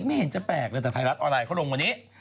ไม่เห็นจะแปลกเลยแต่ไทยรัฐออนไลน์เขาลงวันนี้